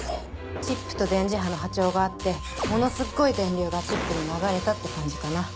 チップと電磁波の波長が合ってものすっごい電流がチップに流れたって感じかな。